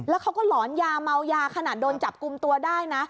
แล้วเขาก็หลอนยาเมายาขนาดโดนจับกลุ่มตัวได้นะ